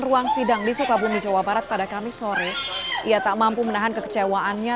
ruang sidang di sukabumi jawa barat pada kamis sore ia tak mampu menahan kekecewaannya